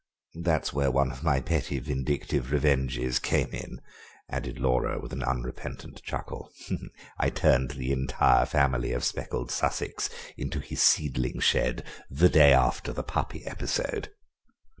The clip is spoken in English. That's where one of my petty vindictive revenges came in," added Laura with an unrepentant chuckle; "I turned the entire family of speckled Sussex into his seedling shed the day after the puppy episode."